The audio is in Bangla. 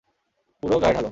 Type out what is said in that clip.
পুরো গায়ে ঢালো।